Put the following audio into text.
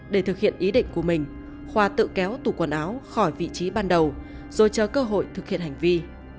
để thực hiện ý định của mình khoa tự kéo tủ quần áo khỏi vị trí ban đầu rồi chờ cơ hội thực hiện hành vi